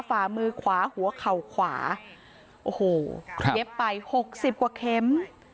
ฝ่ามือขวาหัวเข่าขวาโอ้โหเย็บไปหกสิบกว่าเข็ม